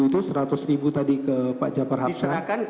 itu seratus ribu tadi ke pak jafar hafsa